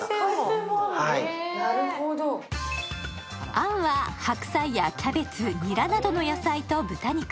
あんは白菜やキャベツ、ニラなどの野菜と豚肉。